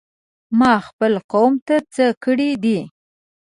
ما خپل قوم ته څه کړي دي؟!